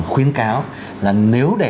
khuyên cáo là nếu để